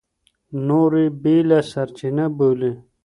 نور يې بېله سرچينه بولي.